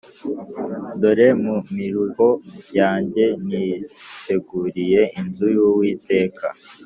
Dore mu miruho yanjye niteguriye inzu y Uwiteka